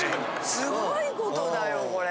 すごいことだよこれ。